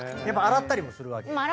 洗ったりもするわけ？